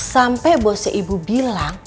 sampe bosnya ibu bilang